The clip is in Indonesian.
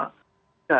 harapan itu juga sama